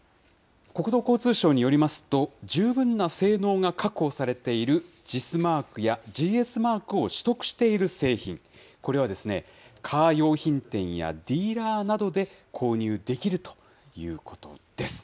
国土交通省によりますと、十分な性能が確保されているＪＩＳマークやＧＳマークを取得している製品、これはですね、カー用品店やディーラーなどで購入できるということです。